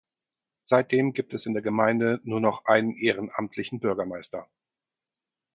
Seitdem gibt es in der Gemeinde nur noch einen ehrenamtlichen Bürgermeister.